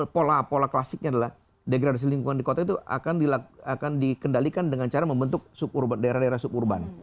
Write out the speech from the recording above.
pola pola klasiknya adalah degradasi lingkungan di kota itu akan dikendalikan dengan cara membentuk suburban daerah daerah suburban